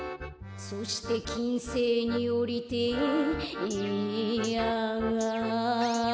「そしてきんせいにおりてえええんやあ」